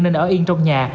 nên ở yên trong nhà